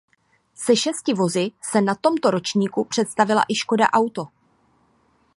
Se šesti vozy se na tomto ročníku představila i Škoda Auto.